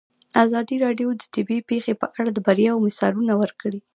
ازادي راډیو د طبیعي پېښې په اړه د بریاوو مثالونه ورکړي.